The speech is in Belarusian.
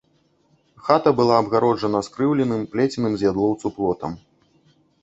Хата была абгароджана скрыўленым, плеценым з ядлоўцу, плотам.